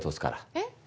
えっ？